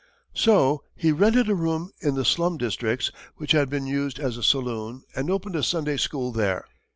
So he rented a room in the slum districts which had been used as a saloon and opened a Sunday school there.